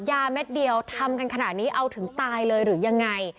เม็ดเดียวทำกันขนาดนี้เอาถึงตายเลยหรือยังไง